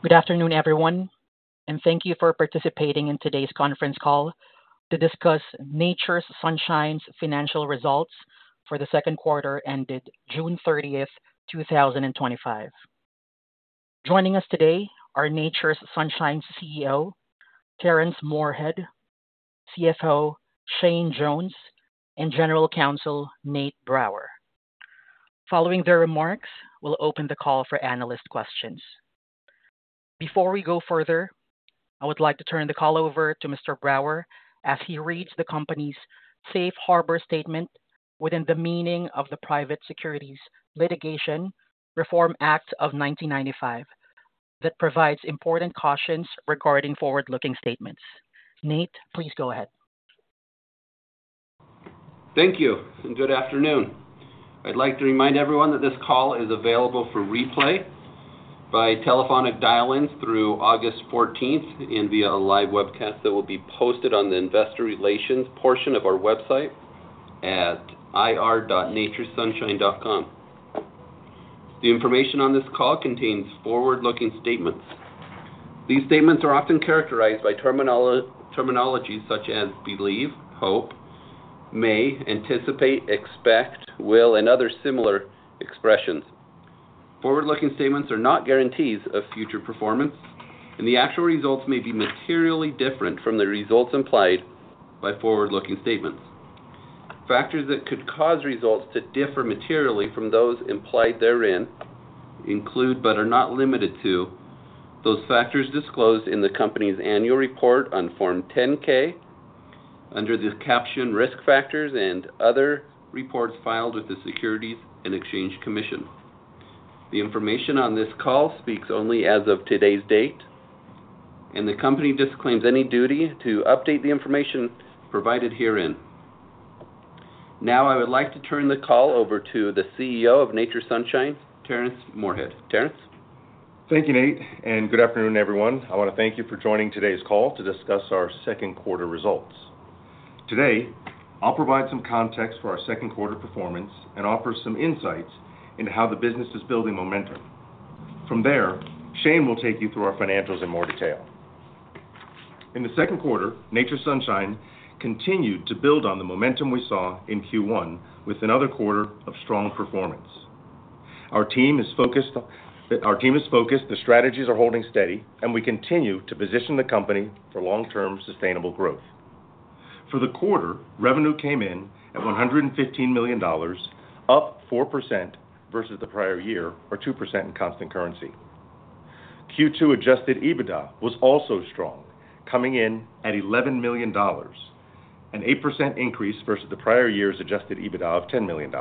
Good afternoon, everyone, and thank you for participating in today's conference call to discuss Nature's Sunshine financial results for the second quarter ended June 30th, 2025. Joining us today are Nature's Sunshine CEO, Terrence Moorehead, CFO, Shane Jones, and General Counsel, Nate Brower. Following their remarks, we'll open the call for analyst questions. Before we go further, I would like to turn the call over to Mr. Brower as he reads the company's safe harbor statement within the meaning of the Private Securities Litigation Reform Act of 1995 that provides important cautions regarding forward-looking statements. Nate, please go ahead. Thank you, and good afternoon. I'd like to remind everyone that this call is available for replay by telephonic dial-in through August 14th and via a live webcast that will be posted on the Investor Relations portion of our website at ir.naturessunshine.com. The information on this call contains forward-looking statements. These statements are often characterized by terminology such as believe, hope, may, anticipate, expect, will, and other similar expressions. Forward-looking statements are not guarantees of future performance, and the actual results may be materially different from the results implied by forward-looking statements. Factors that could cause results to differ materially from those implied therein include, but are not limited to, those factors disclosed in the company's annual report on Form 10-K under the caption Risk Factors and other reports filed with the Securities and Exchange Commission. The information on this call speaks only as of today's date, and the company disclaims any duty to update the information provided herein. Now, I would like to turn the call over to the CEO of Nature's Sunshine, Terrence Moorehead. Terrence? Thank you, Nate, and good afternoon, everyone. I want to thank you for joining today's call to discuss our second quarter results. Today, I'll provide some context for our second quarter performance and offer some insights into how the business is building momentum. From there, Shane will take you through our financials in more detail. In the second quarter, Nature's Sunshine continued to build on the momentum we saw in Q1 with another quarter of strong performance. Our team is focused, the strategies are holding steady, and we continue to position the company for long-term sustainable growth. For the quarter, revenue came in at $115 million, up 4% versus the prior year, or 2% in constant currency. Q2 Adjusted EBITDA was also strong, coming in at $11 million, an 8% increase versus the prior year's Adjusted EBITDA of $10 million.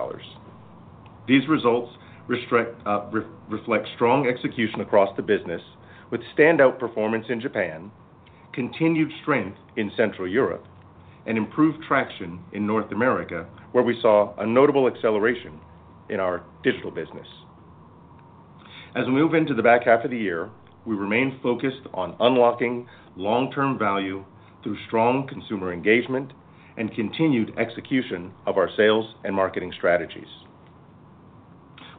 These results reflect strong execution across the business, with standout performance in Japan, continued strength in Central Europe, and improved traction in North America, where we saw a notable acceleration in our digital business. As we move into the back half of the year, we remain focused on unlocking long-term value through strong consumer engagement and continued execution of our sales and marketing strategies.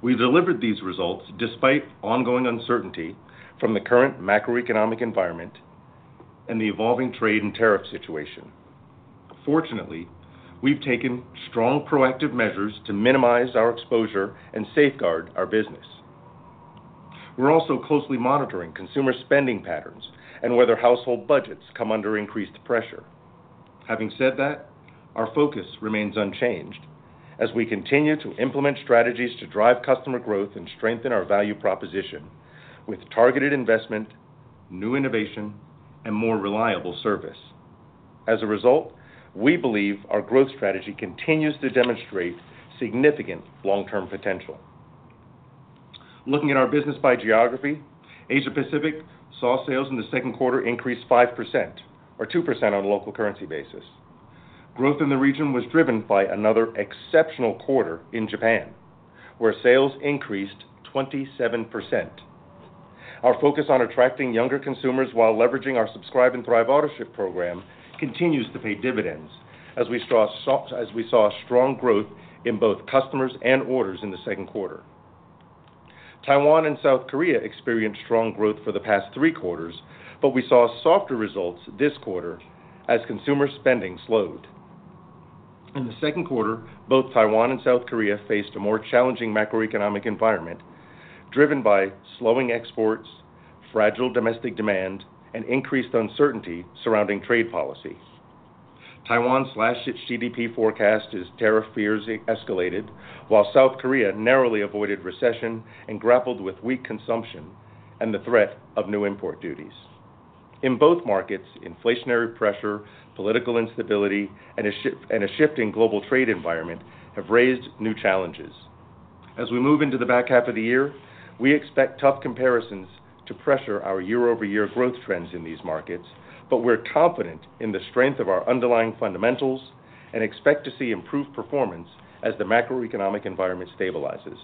We've delivered these results despite ongoing uncertainty from the current macroeconomic environment and the evolving trade and tariff situation. Fortunately, we've taken strong proactive measures to minimize our exposure and safeguard our business. We're also closely monitoring consumer spending patterns and whether household budgets come under increased pressure. Having said that, our focus remains unchanged as we continue to implement strategies to drive customer growth and strengthen our value proposition with targeted investment, new innovation, and more reliable service. As a result, we believe our growth strategy continues to demonstrate significant long-term potential. Looking at our business by geography, Asia Pacific saw sales in the second quarter increase 5%, or 2% on a local currency basis. Growth in the region was driven by another exceptional quarter in Japan, where sales increased 27%. Our focus on attracting younger consumers while leveraging our Subscribe and Thrive auto ship program continues to pay dividends as we saw strong growth in both customers and orders in the second quarter. Taiwan and South Korea experienced strong growth for the past three quarters, but we saw softer results this quarter as consumer spending slowed. In the second quarter, both Taiwan and South Korea faced a more challenging macroeconomic environment driven by slowing exports, fragile domestic demand, and increased uncertainty surrounding trade policy. Taiwan's last-date GDP forecast as tariff fears escalated, while South Korea narrowly avoided recession and grappled with weak consumption and the threat of new import duties. In both markets, inflationary pressure, political instability, and a shift in global trade environment have raised new challenges. As we move into the back half of the year, we expect tough comparisons to pressure our year-over-year growth trends in these markets, but we're confident in the strength of our underlying fundamentals and expect to see improved performance as the macroeconomic environment stabilizes.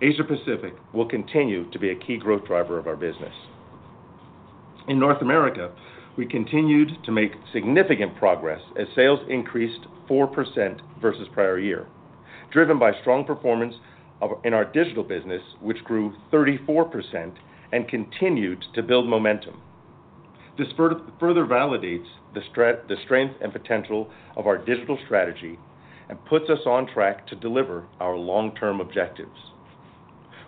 Asia Pacific will continue to be a key growth driver of our business. In North America, we continued to make significant progress as sales increased 4% versus prior year, driven by strong performance in our digital business, which grew 34% and continued to build momentum. This further validates the strength and potential of our digital strategy and puts us on track to deliver our long-term objectives.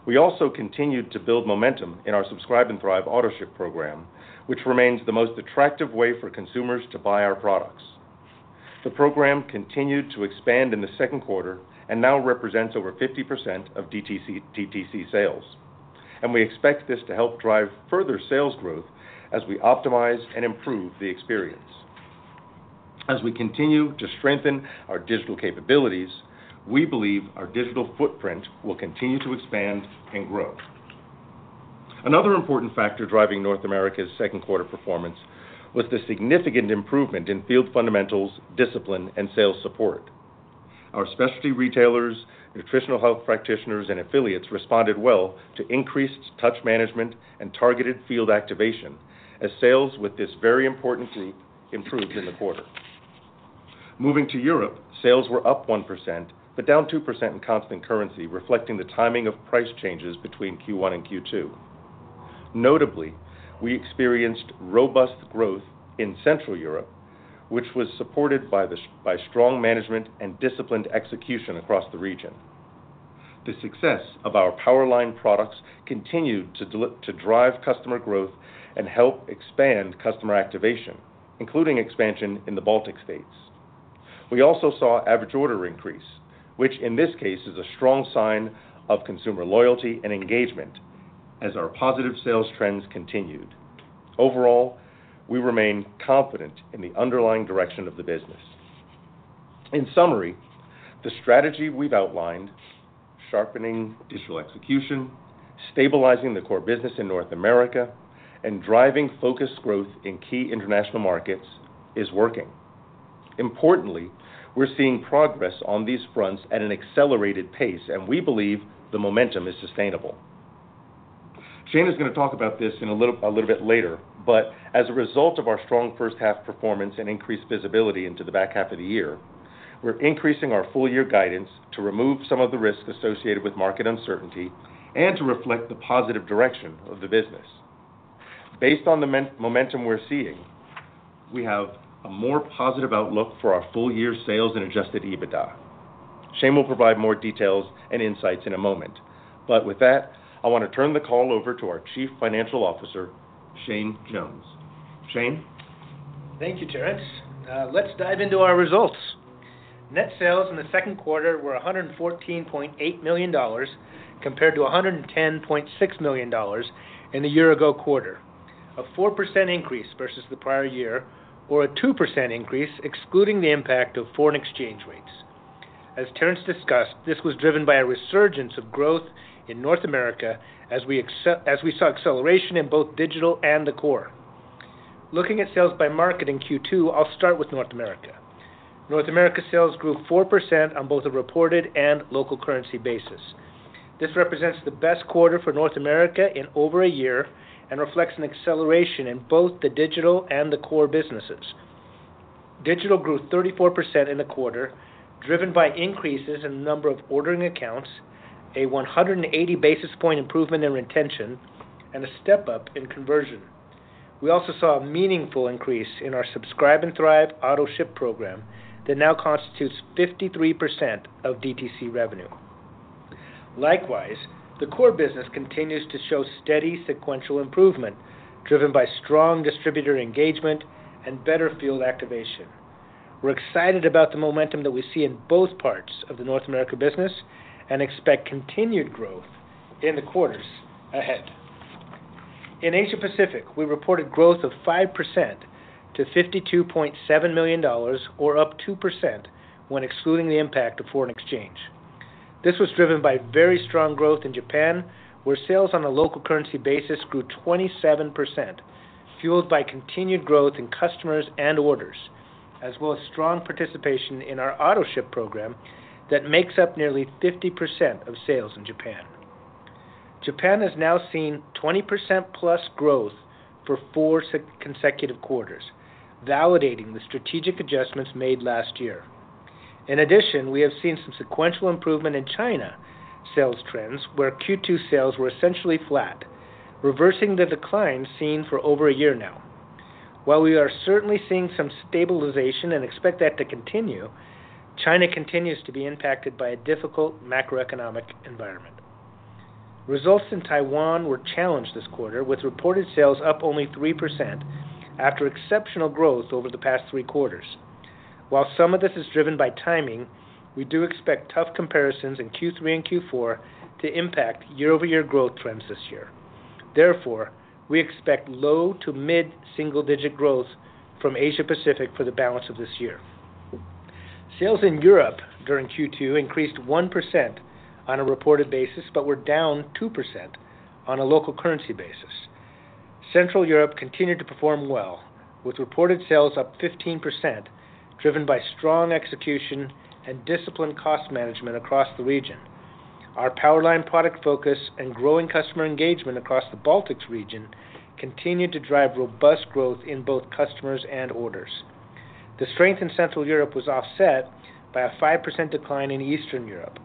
We also continued to build momentum in our Subscribe and Thrive auto ship program, which remains the most attractive way for consumers to buy our products. The program continued to expand in the second quarter and now represents over 50% of DTC sales, and we expect this to help drive further sales growth as we optimize and improve the experience. As we continue to strengthen our digital capabilities, we believe our digital footprint will continue to expand and grow. Another important factor driving North America's second quarter performance was the significant improvement in field fundamentals, discipline, and sales support. Our specialty retailers, nutritional health practitioners, and affiliates responded well to increased touch management and targeted field activation as sales with this very important group improved in the quarter. Moving to Europe, sales were up 1% but down 2% in constant currency, reflecting the timing of price changes between Q1 and Q2. Notably, we experienced robust growth in Central Europe, which was supported by strong management and disciplined execution across the region. The success of our Power Line products continued to drive customer growth and help expand customer activation, including expansion in the Baltic states. We also saw average order increase, which in this case is a strong sign of consumer loyalty and engagement as our positive sales trends continued. Overall, we remain confident in the underlying direction of the business. In summary, the strategy we've outlined, sharpening digital execution, stabilizing the core business in North America, and driving focused growth in key international markets is working. Importantly, we're seeing progress on these fronts at an accelerated pace, and we believe the momentum is sustainable. Shane is going to talk about this a little bit later. As a result of our strong first half performance and increased visibility into the back half of the year, we're increasing our full-year guidance to remove some of the risk associated with market uncertainty and to reflect the positive direction of the business. Based on the momentum we're seeing, we have a more positive outlook for our full-year sales and Adjusted EBITDA. Shane will provide more details and insights in a moment, but with that, I want to turn the call over to our Chief Financial Officer, Shane Jones. Shane? Thank you, Terrence. Let's dive into our results. Net sales in the second quarter were $114.8 million compared to $110.6 million in the year-ago quarter, a 4% increase versus the prior year or a 2% increase excluding the impact of foreign exchange rates. As Terrence discussed, this was driven by a resurgence of growth in North America as we saw acceleration in both digital and the core. Looking at sales by market in Q2, I'll start with North America. North America sales grew 4% on both a reported and local currency basis. This represents the best quarter for North America in over a year and reflects an acceleration in both the digital and the core businesses. Digital grew 34% in the quarter, driven by increases in the number of ordering accounts, a 180 basis point improvement in retention, and a step up in conversion. We also saw a meaningful increase in our Subscribe and Thrive auto ship program that now constitutes 53% of DTC revenue. Likewise, the core business continues to show steady sequential improvement driven by strong distributor engagement and better field activation. We're excited about the momentum that we see in both parts of the North America business and expect continued growth in the quarters ahead. In Asia Pacific, we reported growth of 5% to $52.7 million, or up 2% when excluding the impact of foreign exchange. This was driven by very strong growth in Japan, where sales on a local currency basis grew 27%, fueled by continued growth in customers and orders, as well as strong participation in our auto ship program that makes up nearly 50% of sales in Japan. Japan has now seen 20%+ growth for four consecutive quarters, validating the strategic adjustments made last year. In addition, we have seen some sequential improvement in China sales trends, where Q2 sales were essentially flat, reversing the decline seen for over a year now. While we are certainly seeing some stabilization and expect that to continue, China continues to be impacted by a difficult macroeconomic environment. Results in Taiwan were challenged this quarter with reported sales up only 3% after exceptional growth over the past three quarters. While some of this is driven by timing, we do expect tough comparisons in Q3 and Q4 to impact year-over-year growth trends this year. Therefore, we expect low to mid-single-digit growth from Asia Pacific for the balance of this year. Sales in Europe during Q2 increased 1% on a reported basis, but were down 2% on a local currency basis. Central Europe continued to perform well, with reported sales up 15%, driven by strong execution and disciplined cost management across the region. Our Power Line product focus and growing customer engagement across the Baltics region continued to drive robust growth in both customers and orders. The strength in Central Europe was offset by a 5% decline in Eastern Europe,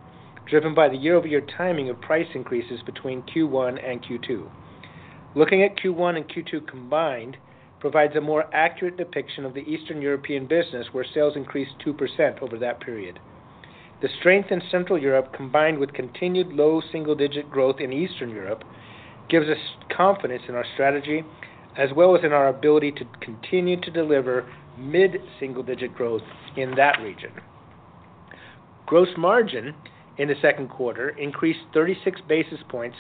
driven by the year-over-year timing of price increases between Q1 and Q2. Looking at Q1 and Q2 combined provides a more accurate depiction of the Eastern European business, where sales increased 2% over that period. The strength in Central Europe, combined with continued low single-digit growth in Eastern Europe, gives us confidence in our strategy, as well as in our ability to continue to deliver mid-single-digit growth in that region. Gross margin in the second quarter increased 36 basis points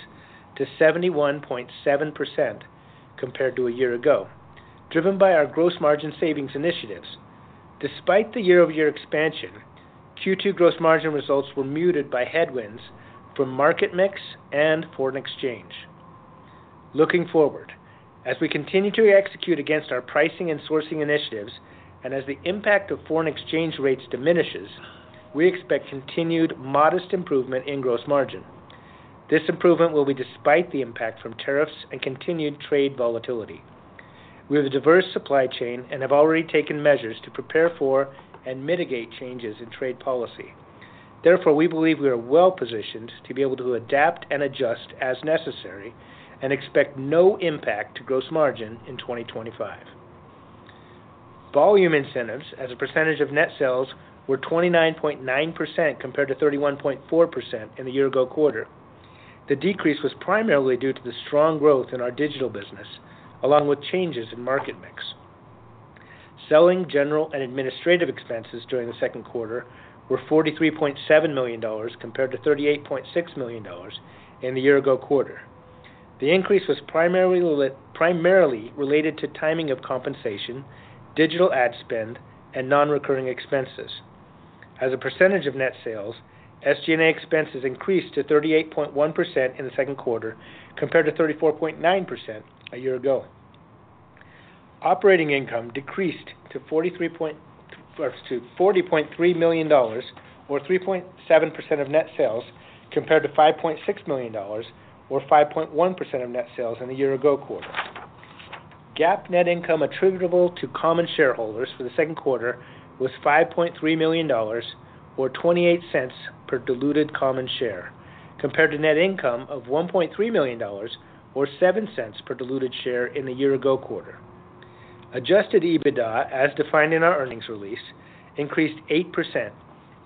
to 71.7% compared to a year ago, driven by our gross margin savings initiatives. Despite the year-over-year expansion, Q2 gross margin results were muted by headwinds from market mix and foreign exchange. Looking forward, as we continue to execute against our pricing and sourcing initiatives, and as the impact of foreign exchange rates diminishes, we expect continued modest improvement in gross margin. This improvement will be despite the impact from tariffs and continued trade volatility. We have a diverse supply chain and have already taken measures to prepare for and mitigate changes in trade policy. Therefore, we believe we are well positioned to be able to adapt and adjust as necessary and expect no impact to gross margin in 2025. Volume incentives, as a percentage of net sales, were 29.9% compared to 31.4% in the year-ago quarter. The decrease was primarily due to the strong growth in our digital business, along with changes in market mix. Selling, general, and administrative expenses during the second quarter were $43.7 million compared to $38.6 million in the year-ago quarter. The increase was primarily related to timing of compensation, digital ad spend, and non-recurring expenses. As a percentage of net sales, SG&A expenses increased to 38.1% in the second quarter compared to 34.9% a year ago. Operating income decreased to $4.3 million, or 3.7% of net sales, compared to $5.6 million, or 5.1% of net sales in the year-ago quarter. GAAP net income attributable to common shareholders for the second quarter was $5.3 million, or $0.28 per diluted common share, compared to net income of $1.3 million, or $0.07 per diluted share in the year-ago quarter. Adjusted EBITDA, as defined in our earnings release, increased 8%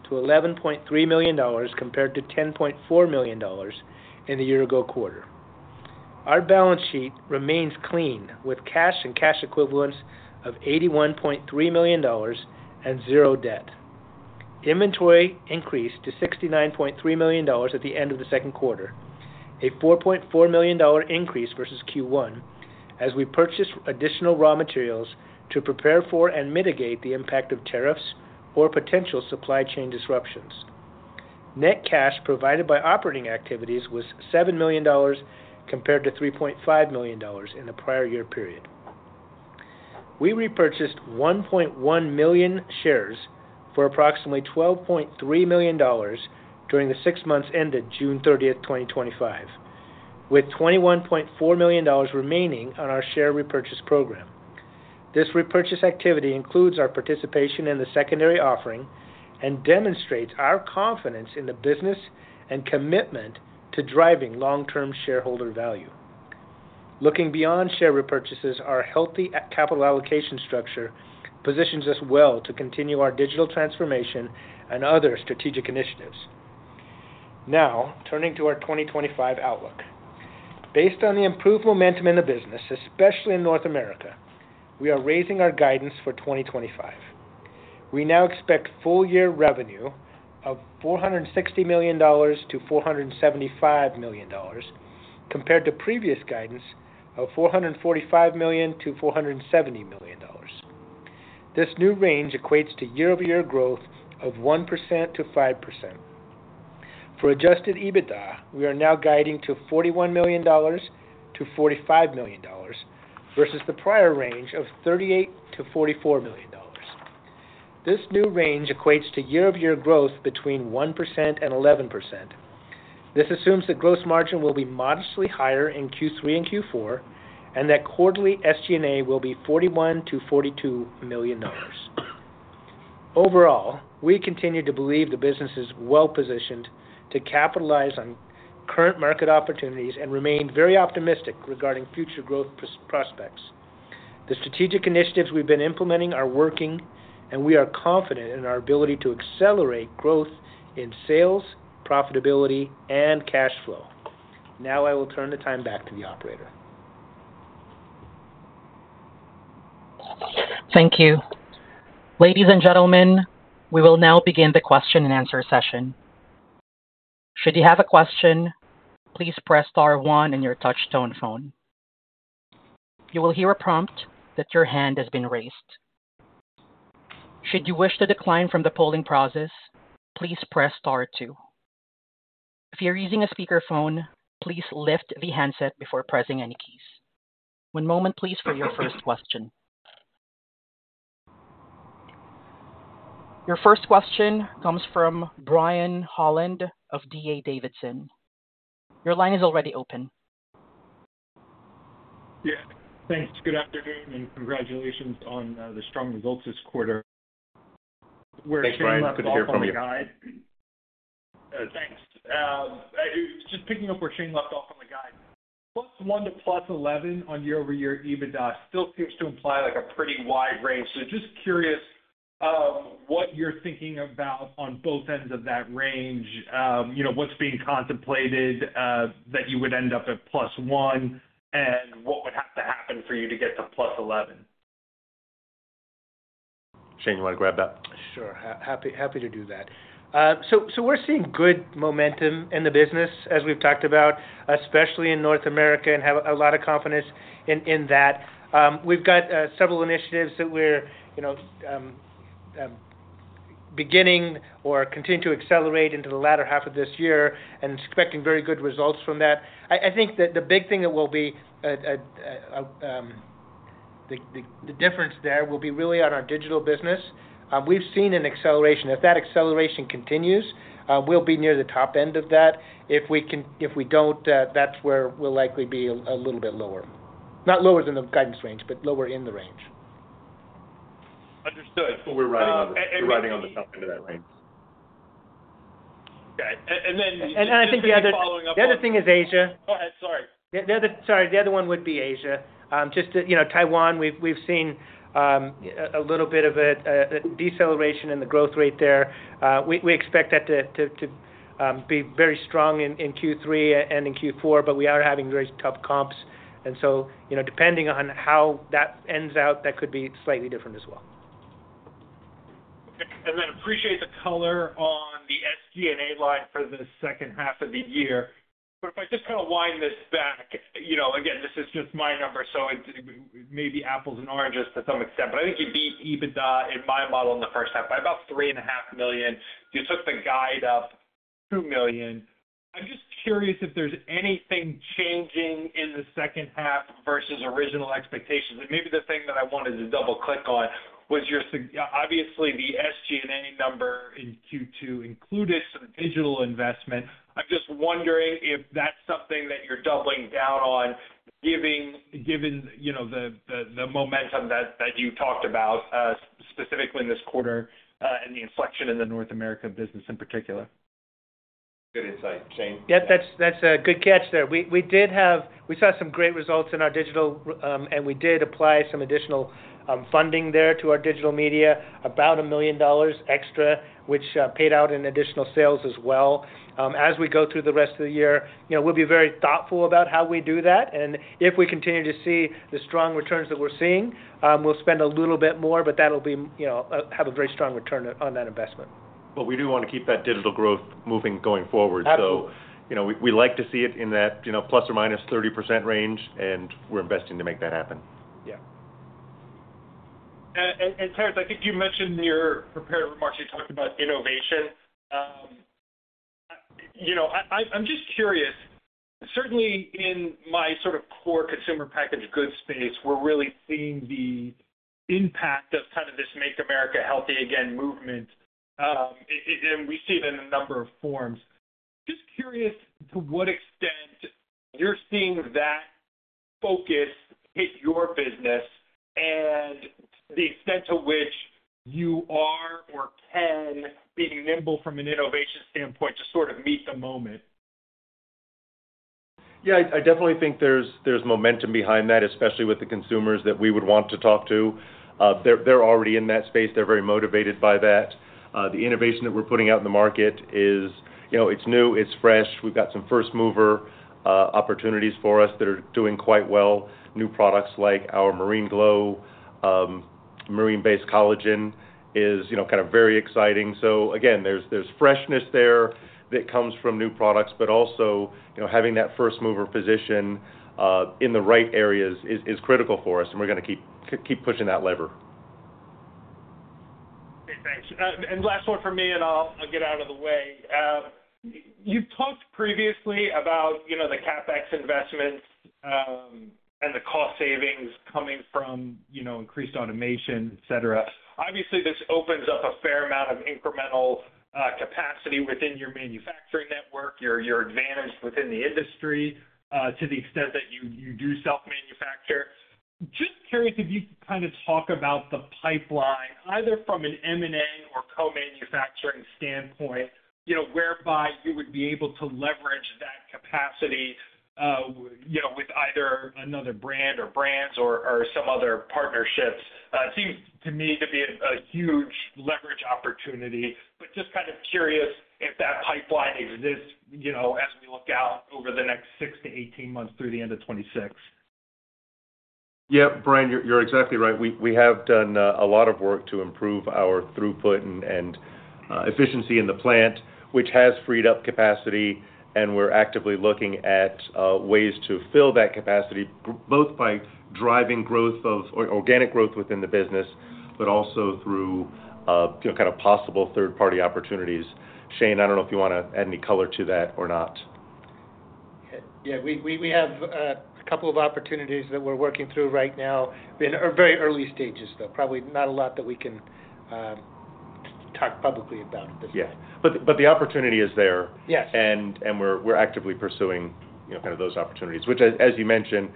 to $11.3 million, compared to $10.4 million in the year-ago quarter. Our balance sheet remains clean with cash and cash equivalents of $81.3 million and zero debt. Inventory increased to $69.3 million at the end of the second quarter, a $4.4 million increase versus Q1, as we purchased additional raw materials to prepare for and mitigate the impact of tariffs or potential supply chain disruptions. Net cash provided by operating activities was $7 million, compared to $3.5 million in the prior year period. We repurchased 1.1 million shares for approximately $12.3 million during the six months ended June 30th, 2025, with $21.4 million remaining on our share repurchase program. This repurchase activity includes our participation in the secondary offering and demonstrates our confidence in the business and commitment to driving long-term shareholder value. Looking beyond share repurchases, our healthy capital allocation structure positions us well to continue our digital transformation and other strategic initiatives. Now, turning to our 2025 outlook. Based on the improved momentum in the business, especially in North America, we are raising our guidance for 2025. We now expect full-year revenue of $460 million-$475 million, compared to previous guidance of $445 million-$470 million. This new range equates to year-over-year growth of 1%-5%. For Adjusted EBITDA, we are now guiding to $41 million-$45 million versus the prior range of $38 million-$44 million. This new range equates to year-over-year growth between 1% and 11%. This assumes that gross margin will be modestly higher in Q3 and Q4, and that quarterly SG&A will be $41 million-$42 million. Overall, we continue to believe the business is well positioned to capitalize on current market opportunities and remain very optimistic regarding future growth prospects. The strategic initiatives we've been implementing are working, and we are confident in our ability to accelerate growth in sales, profitability, and cash flow. Now, I will turn the time back to the operator. Thank you. Ladies and gentlemen, we will now begin the question and answer session. Should you have a question, please press star one on your touch-tone phone. You will hear a prompt that your hand has been raised. Should you wish to decline from the polling process, please press star two. If you're using a speakerphone, please lift the handset before pressing any keys. One moment, please, for your first question. Your first question comes from Brian Holland of D.A. Davidson. Your line is already open. Yeah, thanks. Good afternoon, and congratulations on the strong results this quarter. Thanks, Brian. We're happy to hear from you. Thanks. Just picking up where Shane left off on the guide. Plus one to plus 11 on year-over-year Adjusted EBITDA still appears to imply like a pretty wide range. Just curious of what you're thinking about on both ends of that range. You know what's being contemplated that you would end up at plus one and what would have to happen for you to get to plus 11. Shane, you want to grab that? Sure. Happy to do that. We're seeing good momentum in the business, as we've talked about, especially in North America, and have a lot of confidence in that. We've got several initiatives that we're beginning or continue to accelerate into the latter half of this year and expecting very good results from that. I think that the big thing will be, the difference there will be really on our digital business. We've seen an acceleration. If that acceleration continues, we'll be near the top end of that. If we don't, that's where we'll likely be a little bit lower, not lower than the guidance range, but lower in the range. Understood. We're riding on the top end of that range. Okay. Then. I think the other thing is Asia. Go ahead. Sorry. The other one would be Asia. Taiwan, we've seen a little bit of a deceleration in the growth rate there. We expect that to be very strong in Q3 and in Q4, but we are having very tough comps. Depending on how that ends out, that could be slightly different as well. Okay. I appreciate the color on the SG&A line for the second half of the year. If I just kind of wind this back, you know, again, this is just my number, so it may be apples and oranges to some extent, but I think you beat EBITDA in my model in the first half by about $3.5 million. You took the guide up $2 million. I'm just curious if there's anything changing in the second half versus original expectations. Maybe the thing that I wanted to double-click on was your, obviously, the SG&A number in Q2 included some digital investment. I'm just wondering if that's something that you're doubling down on, given, you know, the momentum that you talked about specifically in this quarter and the inflection in the North America business in particular. Good insight, Shane. Yeah, that's a good catch there. We did have, we saw some great results in our digital, and we did apply some additional funding there to our digital media, about $1 million extra, which paid out in additional sales as well. As we go through the rest of the year, you know, we'll be very thoughtful about how we do that. If we continue to see the strong returns that we're seeing, we'll spend a little bit more, but that'll be, you know, have a very strong return on that investment. We do want to keep that digital growth moving going forward. Absolutely. We like to see it in that ±30% range, and we're investing to make that happen. Yeah. Terrence, I think you mentioned in your prepared remarks, you talked about innovation. I'm just curious, certainly in my sort of core consumer packaged goods space, we're really seeing the impact of kind of this Make America Healthy Again movement. We see it in a number of forms. Just curious to what extent you're seeing that focus hit your business and the extent to which you are or can be nimble from an innovation standpoint to sort of meet the moment. Yeah, I definitely think there's momentum behind that, especially with the consumers that we would want to talk to. They're already in that space. They're very motivated by that. The innovation that we're putting out in the market is, you know, it's new, it's fresh. We've got some first-mover opportunities for us that are doing quite well. New products like our Marine Glow, marine-based collagen, is, you know, kind of very exciting. There is freshness there that comes from new products, but also, you know, having that first-mover position in the right areas is critical for us, and we're going to keep pushing that lever. Thanks. Last one for me, and I'll get out of the way. You've talked previously about the CapEx investments and the cost savings coming from increased automation, etc. Obviously, this opens up a fair amount of incremental capacity within your manufacturing network, your advantage within the industry to the extent that you do self-manufacture. Just curious if you could kind of talk about the pipeline, either from an M&A or co-manufacturing standpoint, whereby you would be able to leverage that capacity with either another brand or brands or some other partnerships. It seems to me to be a huge leverage opportunity, but just kind of curious if that pipeline exists as we look out over the next 6 to 18 months through the end of 2026. Yeah, Brian, you're exactly right. We have done a lot of work to improve our throughput and efficiency in the plant, which has freed up capacity, and we're actively looking at ways to fill that capacity, both by driving growth of organic growth within the business, but also through possible third-party opportunities. Shane, I don't know if you want to add any color to that or not. We have a couple of opportunities that we're working through right now. They're in very early stages, though. Probably not a lot that we can talk publicly about at this point. Yeah, the opportunity is there. Yes. We are actively pursuing, you know, kind of those opportunities, which, as you mentioned,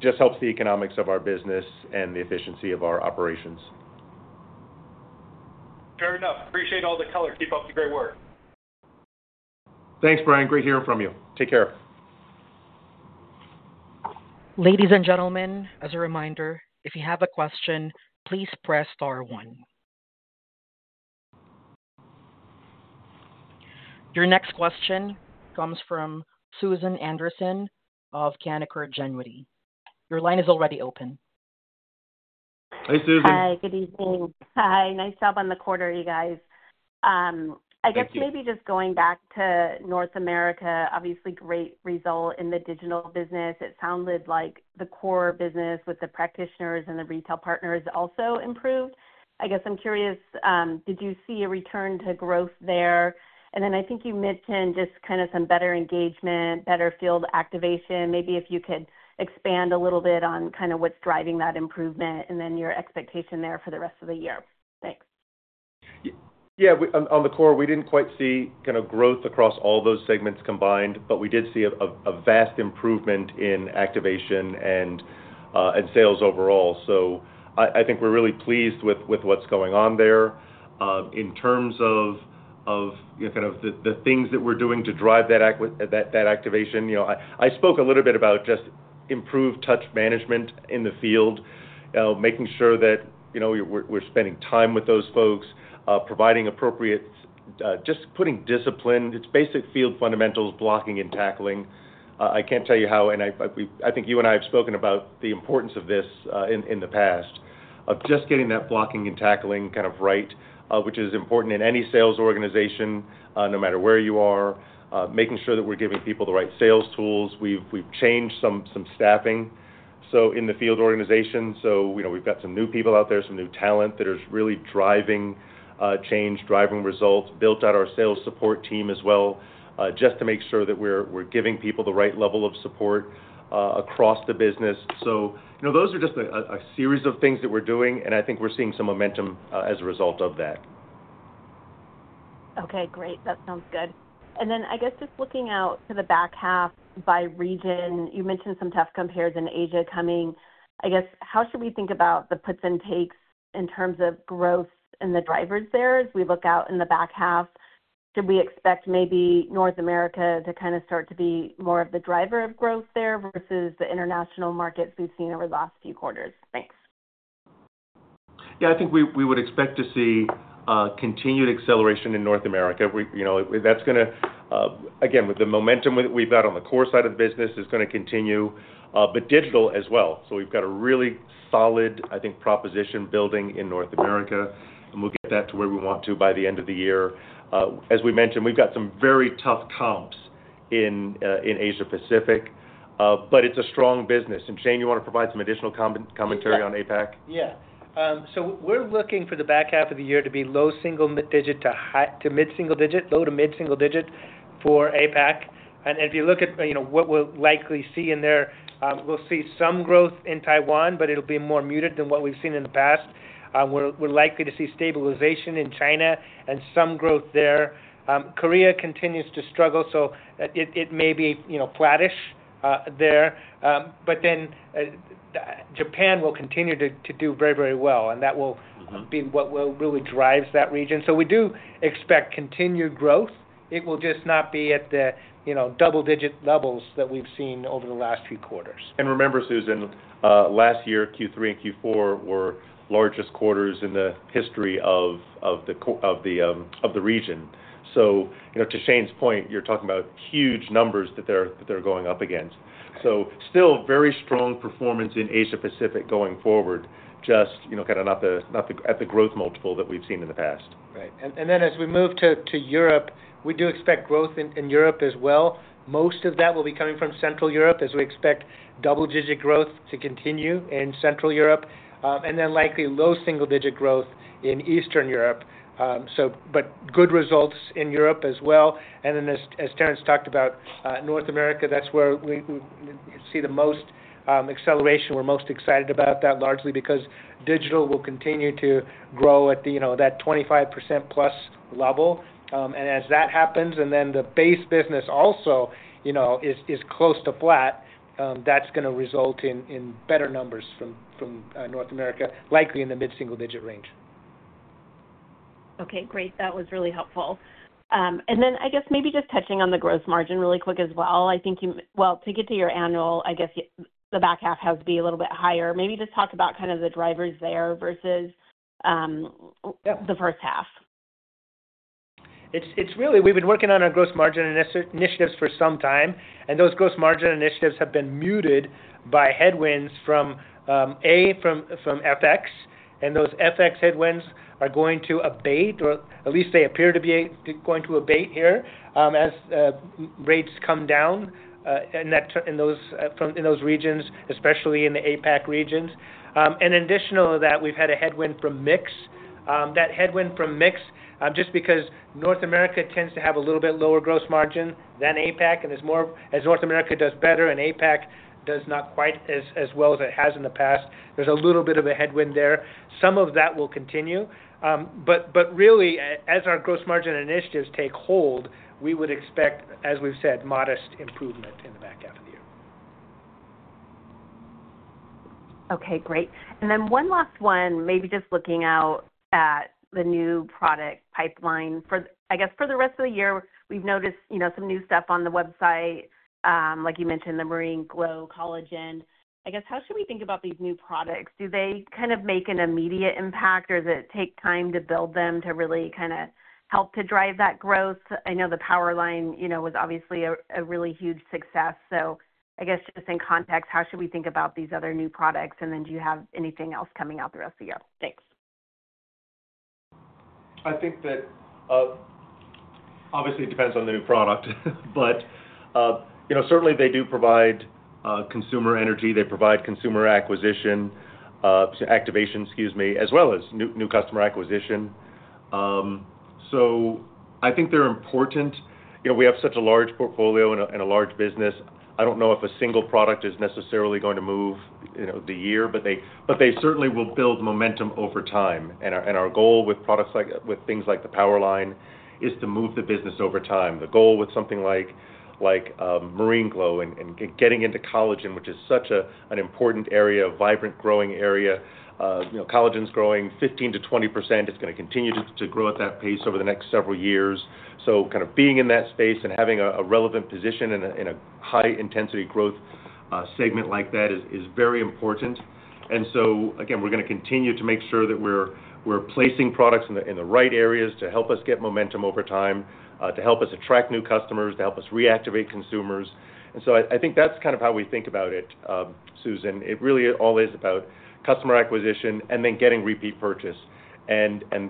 just helps the economics of our business and the efficiency of our operations. Fair enough. Appreciate all the color. Keep up the great work. Thanks, Brian. Great hearing from you. Take care. Ladies and gentlemen, as a reminder, if you have a question, please press star one. Your next question comes from Susan Anderson of Canaccord Genuity. Your line is already open. Hi, Susan. Hi. Good evening. Hi. Nice job on the quarter, you guys. I guess maybe just going back to North America, obviously great result in the digital business. It sounded like the core business with the practitioners and the retail partners also improved. I'm curious, did you see a return to growth there? I think you mentioned just kind of some better engagement, better field activation. Maybe if you could expand a little bit on kind of what's driving that improvement and your expectation there for the rest of the year. Thanks. Yeah, on the core, we didn't quite see kind of growth across all those segments combined, but we did see a vast improvement in activation and sales overall. I think we're really pleased with what's going on there. In terms of the things that we're doing to drive that activation, I spoke a little bit about just improved touch management in the field, making sure that we're spending time with those folks, providing appropriate, just putting discipline, it's basic field fundamentals, blocking and tackling. I can't tell you how, and I think you and I have spoken about the importance of this in the past, of just getting that blocking and tackling kind of right, which is important in any sales organization, no matter where you are, making sure that we're giving people the right sales tools. We've changed some staffing in the field organization. We've got some new people out there, some new talent that are really driving change, driving results, built out our sales support team as well, just to make sure that we're giving people the right level of support across the business. Those are just a series of things that we're doing, and I think we're seeing some momentum as a result of that. Okay, great. That sounds good. I guess just looking out to the back half by region, you mentioned some tough compares in Asia coming. I guess how should we think about the puts and takes in terms of growth and the drivers there as we look out in the back half? Do we expect maybe North America to kind of start to be more of the driver of growth there versus the international markets we've seen over the last few quarters? Thanks. Yeah, I think we would expect to see continued acceleration in North America. That's going to, again, with the momentum that we've got on the core side of the business, continue, but digital as well. We've got a really solid, I think, proposition building in North America, and we'll get that to where we want to by the end of the year. As we mentioned, we've got some very tough comps in Asia Pacific, but it's a strong business. Shane, you want to provide some additional commentary on APAC? Yeah. We're looking for the back half of the year to be low to mid-single-digit for APAC. If you look at what we'll likely see in there, we'll see some growth in Taiwan, but it'll be more muted than what we've seen in the past. We're likely to see stabilization in China and some growth there. Korea continues to struggle, so it may be flattish there. Japan will continue to do very, very well, and that will be what really drives that region. We do expect continued growth. It will just not be at the double-digit levels that we've seen over the last few quarters. Remember, Susan, last year, Q3 and Q4 were the largest quarters in the history of the region. To Shane's point, you're talking about huge numbers that they're going up against. Still very strong performance in Asia Pacific going forward, just not at the growth multiple that we've seen in the past. Right. As we move to Europe, we do expect growth in Europe as well. Most of that will be coming from Central Europe as we expect double-digit growth to continue in Central Europe, and likely low single-digit growth in Eastern Europe. Good results in Europe as well. As Terrence talked about, North America is where we see the most acceleration. We're most excited about that largely because digital will continue to grow at that 25%+ level. As that happens, and the base business also is close to flat, that's going to result in better numbers from North America, likely in the mid-single-digit range. Okay, great. That was really helpful. I guess maybe just touching on the gross margin really quick as well. I think you, to get to your annual, I guess the back half has to be a little bit higher. Maybe just talk about kind of the drivers there versus the first half. We've been working on our gross margin initiatives for some time, and those gross margin initiatives have been muted by headwinds from FX, and those FX headwinds are going to abate, or at least they appear to be going to abate here as rates come down in those regions, especially in the APAC regions. In addition to that, we've had a headwind from mix. That headwind from mix is just because North America tends to have a little bit lower gross margin than APAC, and as North America does better and APAC does not quite as well as it has in the past, there's a little bit of a headwind there. Some of that will continue. As our gross margin initiatives take hold, we would expect, as we've said, modest improvement in the back half of the year. Okay, great. One last one, maybe just looking out at the new product pipeline. I guess for the rest of the year, we've noticed some new stuff on the website, like you mentioned, the Marine Glow collagen. How should we think about these new products? Do they kind of make an immediate impact, or does it take time to build them to really help to drive that growth? I know the Power Line was obviously a really huge success. Just in context, how should we think about these other new products? Do you have anything else coming out the rest of the year? Thanks. I think that obviously it depends on the new product, but certainly they do provide consumer energy. They provide consumer activation, as well as new customer acquisition. I think they're important. We have such a large portfolio and a large business. I don't know if a single product is necessarily going to move the year, but they certainly will build momentum over time. Our goal with products like the Power Line is to move the business over time. The goal with something like Marine Glow and getting into collagen, which is such an important area, a vibrant growing area, collagen's growing 15%-20%. It's going to continue to grow at that pace over the next several years. Kind of being in that space and having a relevant position in a high-intensity growth segment like that is very important. We are going to continue to make sure that we're placing products in the right areas to help us get momentum over time, to help us attract new customers, to help us reactivate consumers. I think that's kind of how we think about it, Susan. It really all is about customer acquisition and then getting repeat purchase.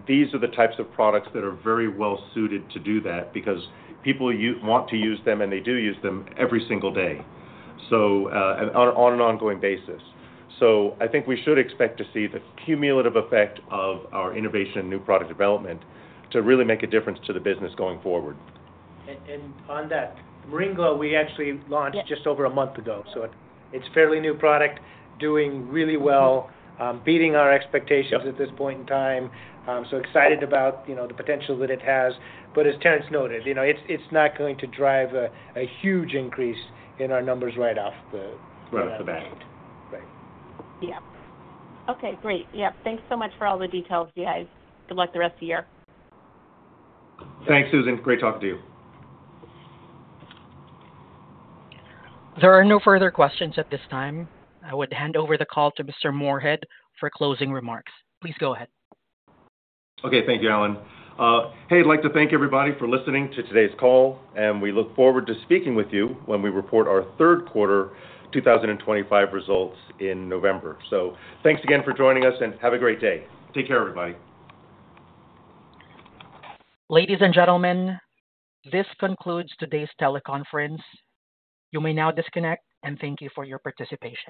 These are the types of products that are very well suited to do that because people want to use them, and they do use them every single day on an ongoing basis. I think we should expect to see the cumulative effect of our innovation and new product development to really make a difference to the business going forward. Marine Glow, we actually launched just over a month ago. It is a fairly new product, doing really well, beating our expectations at this point in time. I am excited about the potential that it has. As Terrence noted, it is not going to drive a huge increase in our numbers right off the bat. Right. Okay, great. Thanks so much for all the details, guys. Good luck the rest of the year. Thanks, Susan. Great talking to you. There are no further questions at this time. I would hand over the call to Mr. Moorehead for closing remarks. Please go ahead. Okay, thank you, Allen. I'd like to thank everybody for listening to today's call, and we look forward to speaking with you when we report our third quarter 2025 results in November. Thanks again for joining us, and have a great day. Take care, everybody. Ladies and gentlemen, this concludes today's teleconference. You may now disconnect, and thank you for your participation.